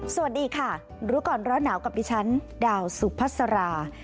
สวัสดีค่ะรู้ก่อนร้อนหนาวกับดิฉันดาวสุพัสรา